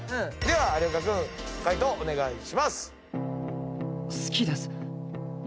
有岡君解答お願いします。